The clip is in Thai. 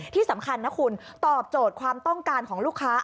ที่สำคัญนะคุณตอบโจทย์ความต้องการของลูกค้า